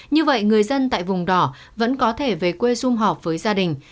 như vậy người dân tại vùng đỏ vẫn có thể về quê xung họp với gia đình